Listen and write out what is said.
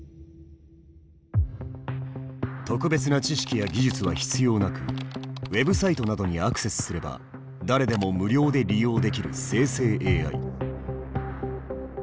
特別な知識や技術は必要なくウェブサイトなどにアクセスすれば誰でも無料で利用できる生成ＡＩ。